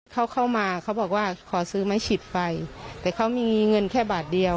เขาเข้ามาเขาบอกว่าขอซื้อไม้ฉีดไฟแต่เขามีเงินแค่บาทเดียว